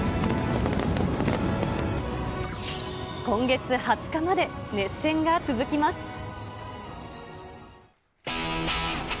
今月２０日まで、熱戦が続きます。